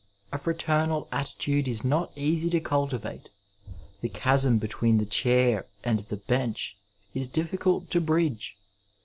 A fraternal attitude is not easy to cultivate — the chasm between the chair and the bench is difficult to bridge.